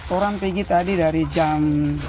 orang pergi tadi dari jam